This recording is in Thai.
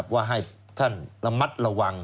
ว่าให้ท่านระมัดระวัง